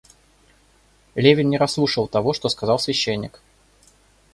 Левин не расслушал того, что сказал священник.